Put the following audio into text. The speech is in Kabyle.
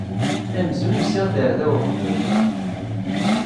Amzun usiɣ-d ɣer da uqbel.